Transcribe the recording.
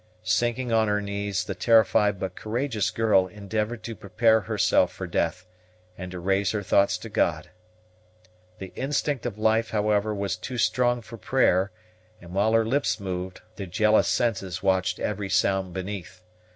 Sinking on her knees, the terrified but courageous girl endeavored to prepare herself for death, and to raise her thoughts to God. The instinct of life, however, was too strong for prayer, and while her lips moved, the jealous senses watched every sound beneath.